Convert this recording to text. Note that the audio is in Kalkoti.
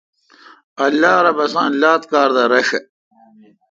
اللہ رب اسان لات کار دا رݭہ۔